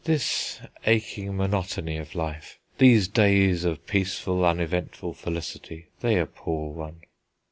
"This aching monotony of life, these days of peaceful, uneventful felicity, they appall one."